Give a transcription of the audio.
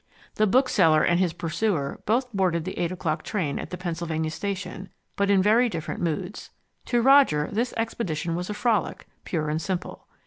The bookseller and his pursuer both boarded the eight o'clock train at the Pennsylvania Station, but in very different moods. To Roger, this expedition was a frolic, pure and simple.